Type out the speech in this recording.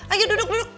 ayo duduk duduk